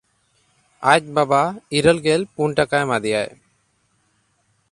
ᱟᱡ ᱵᱟᱵᱟ ᱤᱨᱟᱹᱞᱜᱮᱞ ᱯᱩᱱ ᱴᱟᱠᱟ ᱮᱢᱟ ᱫᱮᱭᱟᱭ᱾